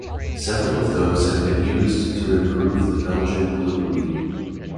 Several of those have been used to improve the Belgian Blue breed.